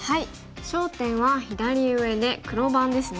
焦点は左上で黒番ですね。